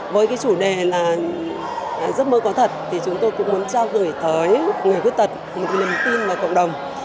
với cái chủ đề là giấc mơ có thật thì chúng tôi cũng muốn trao gửi tới người khuyết tật một niềm tin vào cộng đồng